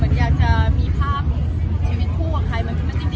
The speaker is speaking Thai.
อยากจะมีภาพชีวิตคู่กับใคร